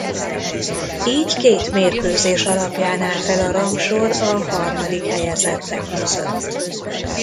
Így két mérkőzés alapján áll fel a rangsor a harmadik helyezettek között.